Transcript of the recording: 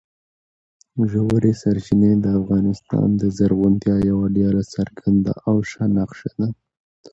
ژورې سرچینې د افغانستان د زرغونتیا یوه ډېره څرګنده او ښه نښه ده.